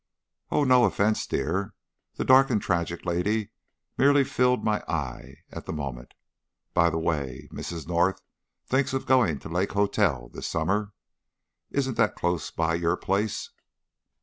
"Oh, no offence, dear. The dark and tragic lady merely filled my eye at the moment. By the way, Mrs. North thinks of going to the Lake Hotel this summer. Isn't that close by your place?"